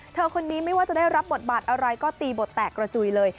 คนนี้ไม่ว่าจะได้รับบทบาทอะไรก็ตีบทแตกกระจุยเลย